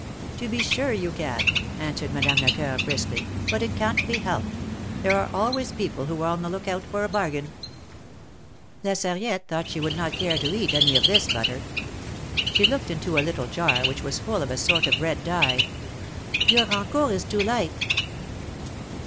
'^To be sure you can," answered Madame Lecoeur, briskly ; ^^but it can't be helped. There are always people who are on the look out for a bargain." 240 THE MAEKETS OP PAEIS. La Sarriette thought she would not care to eat any of this butter. She looked into a little jar, which was full of a sort of red dye. " Your rancourt is too light."